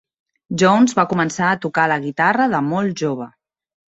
Jones va començar a tocar la guitarra de molt jove.